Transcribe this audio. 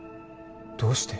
どうして？